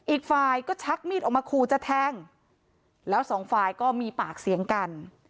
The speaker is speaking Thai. อีกฝ่ายก็ชักมีดออกมาขู่จะแทงแล้วสองฝ่ายก็มีปากเสียงกัน